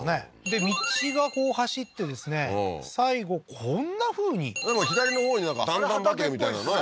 で道がこう走ってですね最後こんなふうにでも左のほうになんか段々畑みたいなね